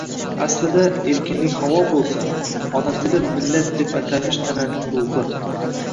Aslida, erkinlik havo boʻlsa, ona tili millat deb atalmish tanning ruhi.